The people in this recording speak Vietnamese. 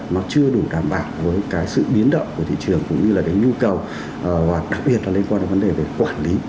nó chưa đủ đảm bảo với cái sự biến động của thị trường cũng như là cái nhu cầu và đặc biệt là liên quan đến vấn đề về quản lý